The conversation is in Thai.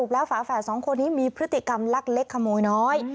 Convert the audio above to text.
แล้วฝาแฝดสองคนนี้มีพฤติกรรมลักเล็กขโมยน้อย